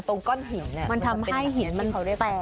ตรงก้อนห่วงมันทำให้หินแปลก